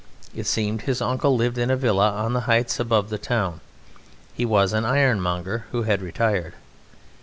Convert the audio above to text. It seemed his uncle lived in a villa on the heights above the town; he was an ironmonger who had retired.